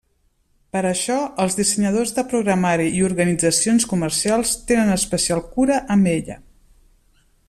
Per això, els dissenyadors de programari i organitzacions comercials tenen especial cura amb ella.